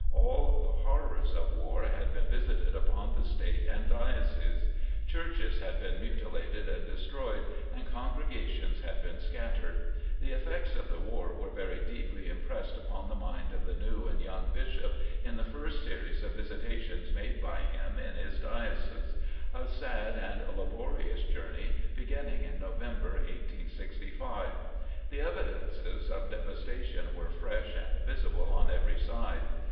All the horrors of war had been visited upon the State and Diocese. Churches had been mutilated and destroyed and congregations had been scattered. The effects of the war were very deeply impressed upon the mind of the new and young Bishop in the first series of visitations made by him in his Diocese, a sad and laborious journey beginning in November, 1865. The evidences of devastation were fresh and visible on every side.